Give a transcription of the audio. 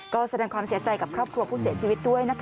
ก็แสดงความเสียใจกับครอบครัวผู้เสียชีวิตด้วยนะคะ